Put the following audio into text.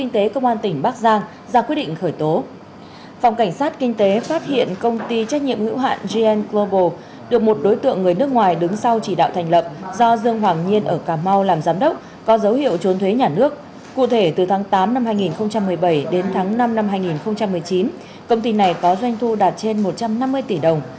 từ tháng tám năm hai nghìn một mươi bảy đến tháng năm năm hai nghìn một mươi chín công ty này có doanh thu đạt trên một trăm năm mươi tỷ đồng